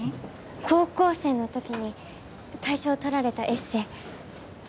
高校生の時に大賞とられたエッセイ